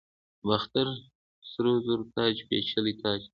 د باختر سرو زرو تاج پیچلی تاج دی